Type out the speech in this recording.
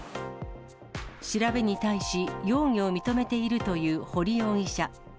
調べに対し、容疑を認めているという堀容疑者。